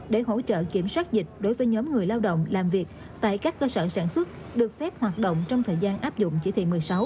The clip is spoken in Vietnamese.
để hỗ trợ kiểm soát dịch đối với nhóm người lao động làm việc tại các cơ sở sản xuất được phép hoạt động trong thời gian áp dụng chỉ thị một mươi sáu